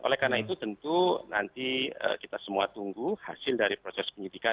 oleh karena itu tentu nanti kita semua tunggu hasil dari proses penyidikan